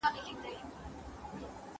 ¬ د غيرت او بېغيرتۍ تر منځ يو قدم فاصله ده.